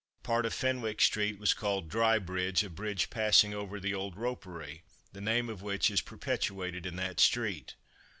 Part of Fenwick street was called Dry Bridge, a bridge passing over the Old Ropery, the name of which is perpetuated in that street.